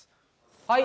はい！